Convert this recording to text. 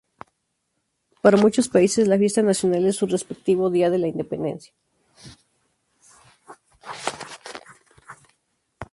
Para muchos países la fiesta nacional es su respectivo "Día de la Independencia".